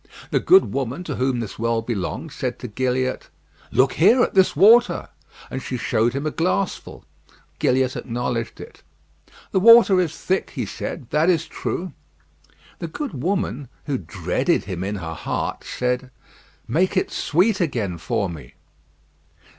The good woman to whom this well belonged said to Gilliatt: "Look here, at this water;" and she showed him a glassful. Gilliatt acknowledged it. "The water is thick," he said; "that is true." The good woman, who dreaded him in her heart, said, "Make it sweet again for me."